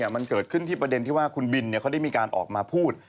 มันเกิดขึ้นที่ประเด็นที่ว่าคุณบินเขาได้มีการออกมาพูด